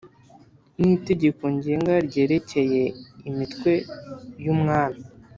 n Itegeko Ngenga ryerekeye imitwe ya umwami